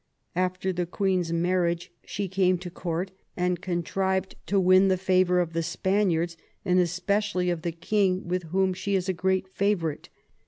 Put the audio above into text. After the Queen's marriage she came to Court, and contrived to win the favour of the Spaniards, and especially of the King, with whom she is a great favourite.